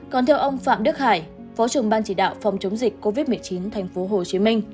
còn theo ông phạm đức hải phó trưởng ban chỉ đạo phòng chống dịch covid một mươi chín tp hcm